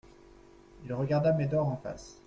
Il regarda Médor en face.